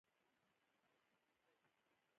په افغانستان کې د کندز سیند شتون لري.